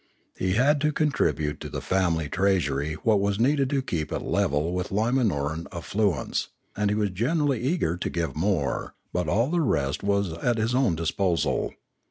He had to contribute to the family treas ury what was needed to keep it level with Limanoran affluence, and he was generally eager to give more; but all the rest was at his own disposal.